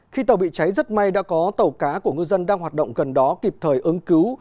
khi tàu bị cháy rất may đã có tàu cá của ngư dân đang hoạt động gần đó kịp thời ứng cứu